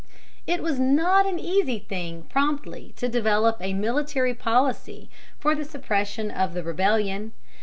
It was not an easy thing promptly to develop a military policy for the suppression of the rebellion.